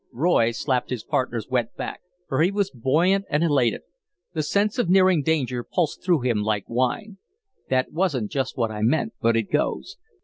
Roy slapped his partner's wet back, for he was buoyant and elated. The sense of nearing danger pulsed through him like wine. "That wasn't just what I meant, but it goes.